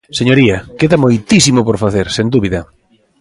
Señoría, queda moitísimo por facer, sen dúbida.